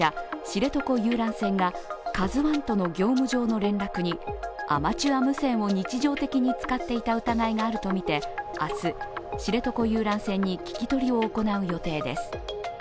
知床遊覧船が「ＫＡＺＵⅠ」との業務上の連絡にアマチュア無線を日常的に使っていた疑いがあると見て、明日知床遊覧船に聞き取りを行う予定です。